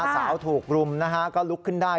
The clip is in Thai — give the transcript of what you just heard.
สาวถูกรุมนะฮะก็ลุกขึ้นได้